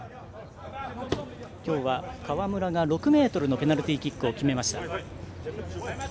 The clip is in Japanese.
今日は川村が６ｍのペナルティーキックを決めました。